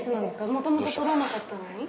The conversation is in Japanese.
もともと撮らなかったのに？